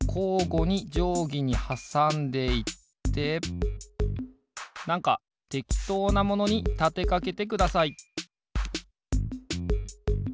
ごにじょうぎにはさんでいってなんかてきとうなものにたてかけてください